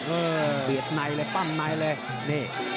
เปรียบในเลยปั้งในเลย